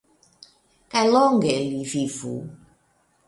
kaj longe li vivu!